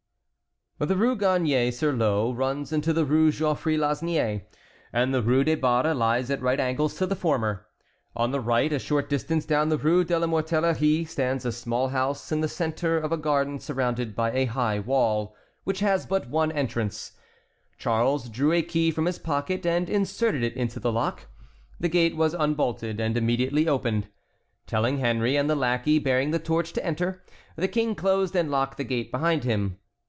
The Rue Garnier sur l'Eau runs into the Rue Geoffroy Lasnier, and the Rue des Barres lies at right angles to the former. On the right, a short distance down the Rue de la Mortellerie, stands a small house in the centre of a garden surrounded by a high wall, which has but one entrance. Charles drew a key from his pocket and inserted it into the lock. The gate was unbolted and immediately opened. Telling Henry and the lackey bearing the torch to enter, the King closed and locked the gate behind him.